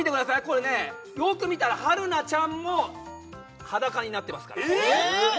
これねよく見たら春菜ちゃんも裸になってますからえっ！？